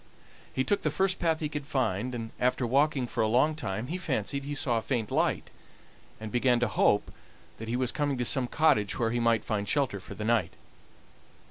He took the first path he could find, and after walking for a long time he fancied he saw a faint light, and began to hope that he was coming to some cottage where he might find shelter for the night.